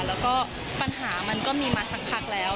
แล้วก็ปัญหามันก็มีมาสักพักแล้ว